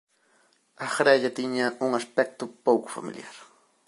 A grella tiña un aspecto pouco familiar.